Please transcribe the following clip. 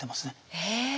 へえ！